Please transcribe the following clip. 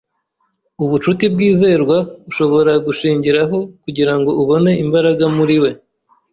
Ubucuti bwizerwa ushobora gushingiraho kugirango ubone imbaraga muriwe